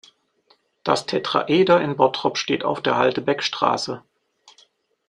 Das Tetraeder in Bottrop steht auf der Halde Beckstraße.